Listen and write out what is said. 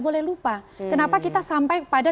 boleh lupa kenapa kita sampai pada